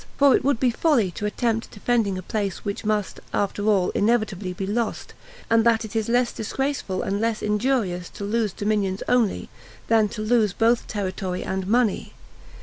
For it would be folly to attempt defending a place which must, after all, inevitably be lost; and that it is less disgraceful and less injurious to lose dominions only, then to lose both territory and money.